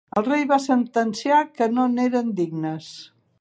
El rei va sentenciar que no n'eren dignes.